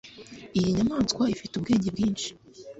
Iyi nyamaswa ifite ubwenge bwinshi